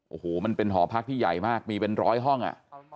โอ้โหมันเป็นหอพักที่ใหญ่มากมีเป็นร้อยห้อง